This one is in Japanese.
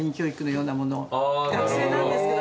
学生なんですけど。